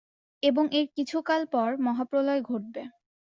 এবং এর কিছুকাল পর মহাপ্রলয় ঘটবে।